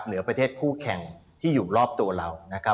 เหนือประเทศผู้แข่งที่อยู่รอบตัวเรา